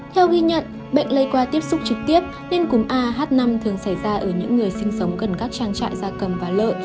theo ghi nhận bệnh lây qua tiếp xúc trực tiếp nên cúm ah năm thường xảy ra ở những người sinh sống gần các trang trại gia cầm và lợn